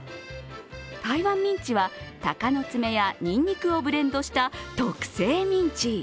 台湾ミンチはたかのつめやニンニクをブレンドした特製ミンチ。